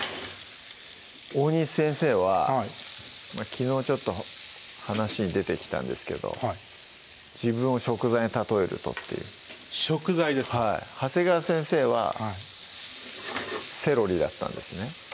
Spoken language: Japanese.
大西先生ははい昨日ちょっと話に出てきたんですけど自分を食材に例えるとっていう食材ですか長谷川先生はセロリだったんですね